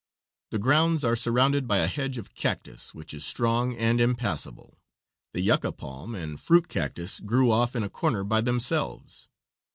The grounds are surrounded by a hedge of cactus, which is strong and impassable. The Yucca palm and fruit cactus grew off in a corner by themselves.